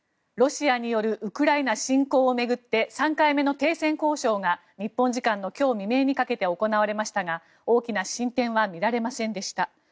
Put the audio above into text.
ロシアによるウクライナ侵攻を巡って３回目の停戦交渉が日本時間の今日未明にかけて行われましたが大きな進展は見られませんでした。